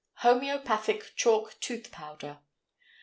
HOMŒOPATHIC CHALK TOOTH POWDER.